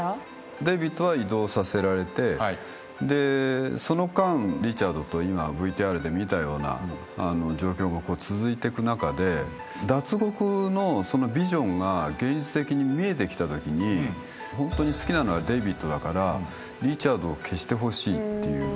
デイビッドは移動させられてその間リチャードと今ＶＴＲで見たような状況が続いてく中で脱獄のビジョンが現実的に見えてきたときにホントに好きなのはデイビッドだからリチャードを消してほしいと。